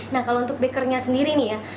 nah kalau untuk bakernya sendiri nih ya